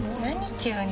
急に。